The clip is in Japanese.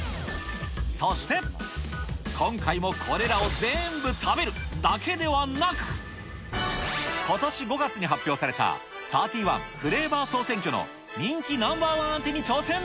そして、今回もこれらを全部食べるだけではなく、ことし５月に発表された、サーティワンフレーバー総選挙の人気ナンバー１当てに挑戦。